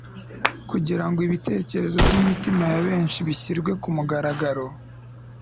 kugira ngo ibitekerezo by'imitima ya benshi bishyirwe ku mugaragaro